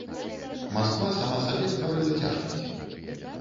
Масква сама сабе стварыла цяжкасці.